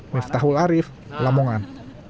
miftahul arif lamongan